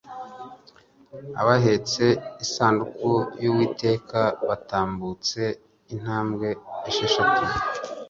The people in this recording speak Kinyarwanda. abahetse isanduku y’Uwiteka batambutse intambwe esheshatu